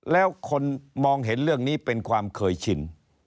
แล้วคนมองเห็นเรื่องนี้เป็นความเคยชิน